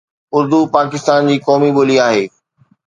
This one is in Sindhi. اردو پاڪستان جي قومي ٻولي آهي